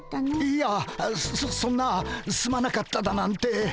いやそそんなすまなかっただなんて。